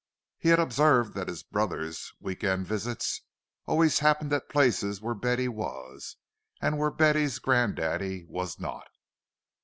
He had observed that his brother's week end visits always happened at places where Betty was, and where Betty's granddaddy was not.